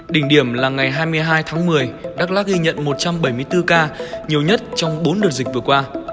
đỉnh điểm là ngày hai mươi hai tháng một mươi đắk lắc ghi nhận một trăm bảy mươi bốn ca nhiều nhất trong bốn đợt dịch vừa qua